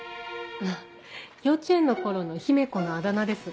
あぁ幼稚園の頃の姫子のあだ名です。